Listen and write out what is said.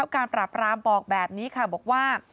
การปลอกแบบนี้ค่ะบอกว่า